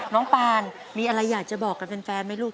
ปานมีอะไรอยากจะบอกกับแฟนไหมลูก